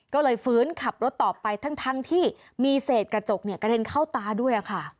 ก็เลยฟื้นขับรถต่อไปทั้งที่มีเศษกระจกกระเด็นเข้าตาด้วยค่ะ